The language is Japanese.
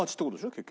結局。